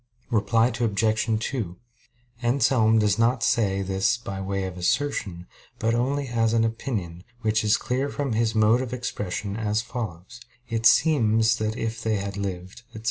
Reply Obj. 2: Anselm does not say this by way of assertion, but only as an opinion, which is clear from his mode of expression as follows: "It seems that if they had lived, etc."